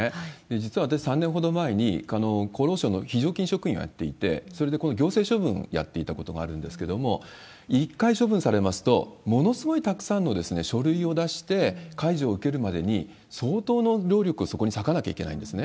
実は私、３年ほど前に、厚労省の非常勤職員をやっていて、それでこの行政処分をやっていたことがあるんですけども、１回処分されますと、ものすごいたくさんの書類を出して、解除を受けるまでに相当の労力をそこに割かなきゃいけないんですね。